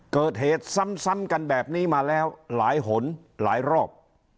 เกิดเหตุซ้ำกันแบบนี้มาแล้วหลายหนหลายรอบ